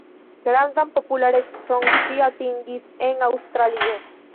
Grandan popularecon ŝi atingis en Aŭstralio.